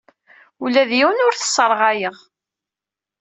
Ula d yiwen ur t-sserɣayeɣ.